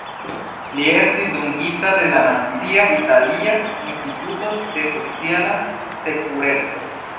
Li estis dungita de la Nacia Italia Instituto de Sociala Sekureco.